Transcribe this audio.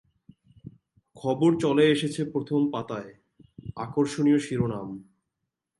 খবর চলে এসেছে প্রথম পাতায় আকর্ষণীয় শিরোনাম।